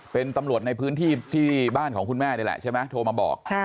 เป็นตำรวจในพื้นที่ที่บ้านของคุณแม่นี่แหละใช่ไหมโทรมาบอก